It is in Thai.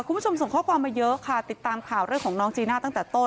คุณผู้ชมส่งข้อความมาเยอะค่ะติดตามข่าวเรื่องของน้องจีน่าตั้งแต่ต้น